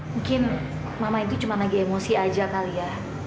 mungkin mama itu cuma lagi emosi aja kali ya